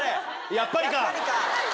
やっぱりか！